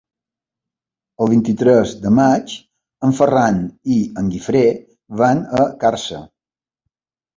El vint-i-tres de maig en Ferran i en Guifré van a Càrcer.